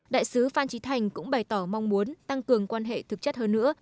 đại sứ phan trí thành cũng bày tỏ mong muốn tăng cường quan hệ thực chất hơn nữa